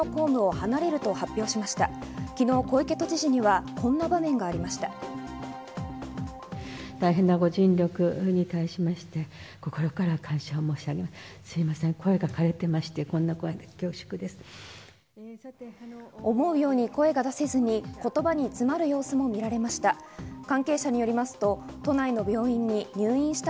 思うように声が出せずに言葉につまる様子も見られました。